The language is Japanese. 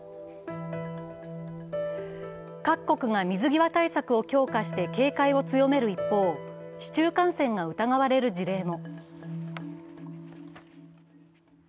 各国が水際対策を強化して警戒を強める一方、市中感染が疑われる事例も。